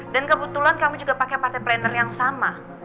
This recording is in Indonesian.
dan kebetulan kamu juga pakai partai planer yang sama